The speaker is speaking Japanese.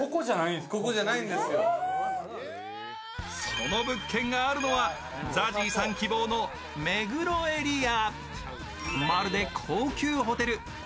その物件があるのはＺＡＺＹさん希望の目黒エリア。